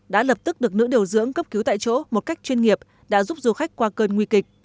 đã lập tức được nữ điều dưỡng cấp cứu tại chỗ một cách chuyên nghiệp đã giúp du khách qua cơn nguy kịch